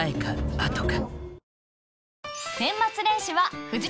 あとか？